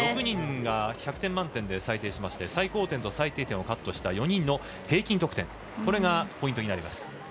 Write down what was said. ６人が１００点満点で採点しまして最高点と最低点をカットした４人の平均得点がポイントになります。